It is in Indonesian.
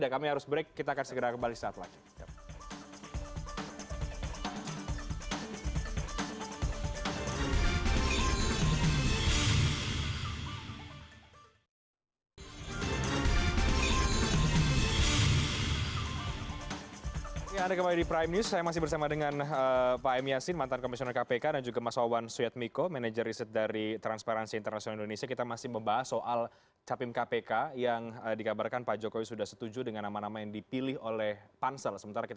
kami harus break kita akan segera kembali